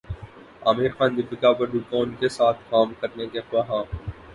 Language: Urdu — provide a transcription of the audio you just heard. عامرخان دپیکا پڈوکون کے ساتھ کام کرنے کے خواہاں